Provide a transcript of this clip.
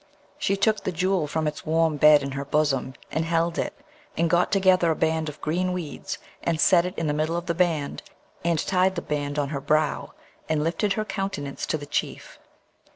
She took the Jewel from its warm bed in her bosom, and held it, and got together a band of green weeds, and set it in the middle of the band, and tied the band on her brow, and lifted her countenance to the Chief.